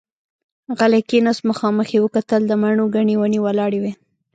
غلی کېناست، مخامخ يې وکتل، د مڼو ګنې ونې ولاړې وې.